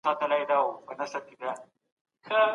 د رسول الله د خوښۍ مقابله کول خطرناک دي.